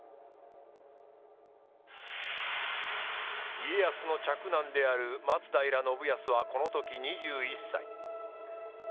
家康の嫡男である松平信康はこの時２１歳。